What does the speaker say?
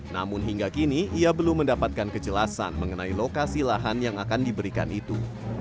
namun hingga kini ia belum mendapatkan kejelasan mengenai lokasi lahan yang akan diberikan itu